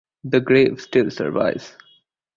The grave still survives.